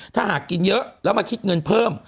ถ้าหากกินเยอะแล้วมาคิดเงินเพิ่ม